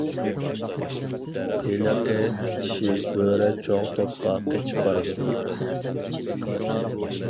ھېلىقى چىشى بۆرە چوڭ توپقا قېچىپ بارىدۇ.